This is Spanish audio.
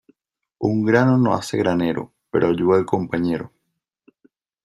Un grano no hace granero, pero ayuda al compañero.